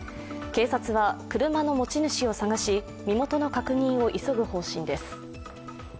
警察は車の持ち主を探し、身元の確認を急ぐ方針です。